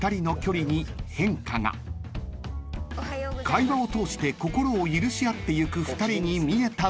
［会話を通して心を許し合っていく２人に見えたのだが］